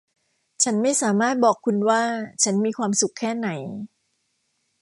ฉันไม่สามารถบอกคุณว่าฉันมีความสุขแค่ไหน